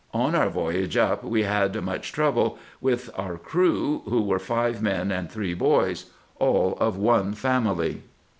On our voyage up we had much trouble with our crew, who were five men and three boys, all of one family.